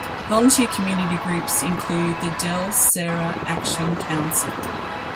Volunteer community groups include the Del Cerro Action Council.